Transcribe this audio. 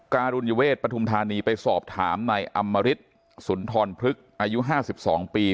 การุณเวชปฐุมธานีไปสอบถามในอำมริสสุนทรพฤกษ์อายุห้าสิบสองปี